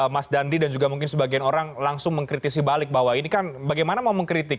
mas dandi dan juga mungkin sebagian orang langsung mengkritisi balik bahwa ini kan bagaimana mau mengkritik